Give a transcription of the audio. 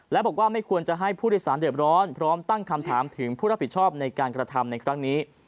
และบอกว่าไม่ควรจะให้ผู้โดยสารเด็บร้อนพร้อมตั้งคำถามถึงผู้รับผิดชอบในการกระทำในครั้งนี้